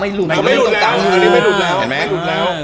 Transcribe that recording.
เราไม่หลุดแล้ว